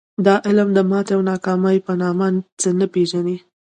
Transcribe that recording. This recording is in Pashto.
دا علم د ماتې او ناکامۍ په نامه څه نه پېژني